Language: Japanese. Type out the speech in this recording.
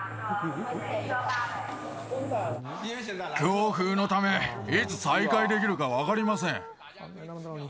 強風のため、いつ再開できるか分かりません。